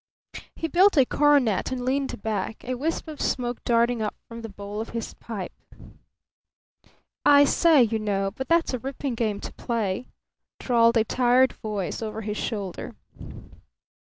He built a coronet and leaned back, a wisp of smoke darting up from the bowl of his pipe. "I say, you know, but that's a ripping game to play!" drawled a tired voice over his shoulder.